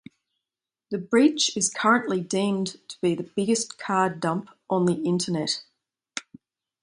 The breach is currently deemed to be the biggest card dump on the internet.